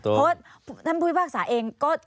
เพราะว่าท่านผู้พิพากษาเองก็